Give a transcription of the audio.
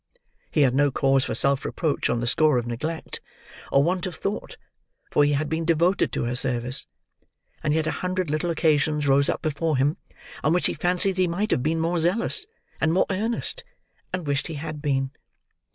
He had no cause for self reproach on the score of neglect, or want of thought, for he had been devoted to her service; and yet a hundred little occasions rose up before him, on which he fancied he might have been more zealous, and more earnest, and wished he had been.